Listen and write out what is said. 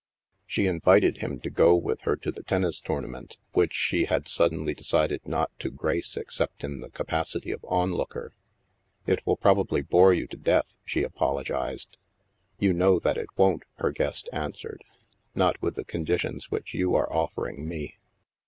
She invited him to go with her to the tennis tour nament, which she had suddenly decided not to grace except in the capacity of onlooker. *' It will prob ably bore you to death," she apologized. You know that it won't," her guest answered. Not with the conditions which you are offering me.